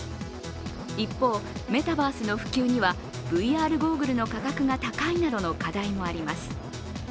一方、メタバースの普及にはＶＲゴーグルの価格が高いなどの課題もあります。